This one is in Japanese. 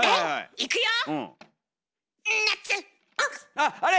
あっあれ！